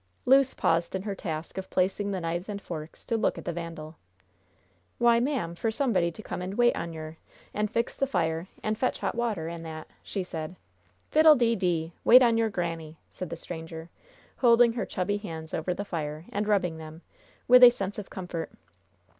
Luce paused in her task of placing the knives and forks to look at the vandal. "Why, ma'am, for somebody to come an' wait on yer, an' fix the fire, an' fetch hot water, an' that," she said. "Fiddle de dee! Wait on your granny!" said the stranger, holding her chubby hands over the fire, and rubbing them, with a sense of comfort.